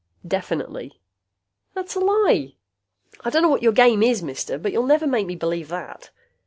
"Definitely." "That's a lie! I don't know what your game is, mister, but you'll never make me believe that.